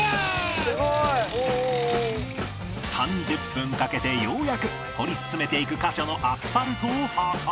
３０分かけてようやく掘り進めていく箇所のアスファルトを破壊